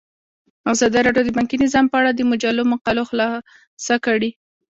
ازادي راډیو د بانکي نظام په اړه د مجلو مقالو خلاصه کړې.